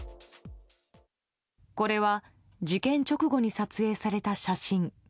これは事件直後に撮影された写真。